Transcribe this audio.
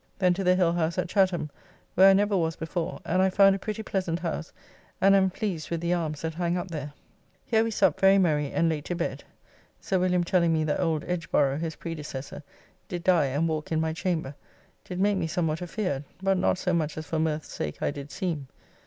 Then to the Hillhouse at Chatham, where I never was before, and I found a pretty pleasant house and am pleased with the arms that hang up there. Here we supped very merry, and late to bed; Sir William telling me that old Edgeborrow, his predecessor, did die and walk in my chamber, did make me some what afeard, but not so much as for mirth's sake I did seem.